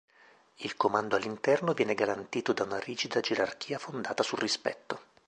Il comando all'interno viene garantito da una rigida gerarchia fondata sul rispetto.